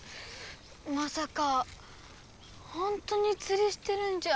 まさかほんとにつりしてるんじゃ。